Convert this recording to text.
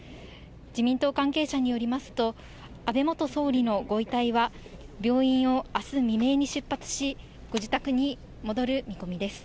自民党関係者によりますと、安倍元総理のご遺体は、病院をあす未明に出発し、ご自宅に戻る見込みです。